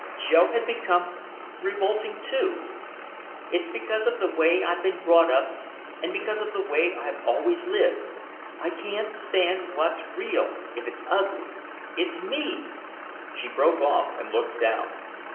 Joe had become revolting, too! It's because of the way I've been brought up and because of the way I've always lived! I can't stand what's real if it's ugly! That's me!" She broke off and looked down.